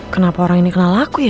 kenapa orang ini kenal aku ya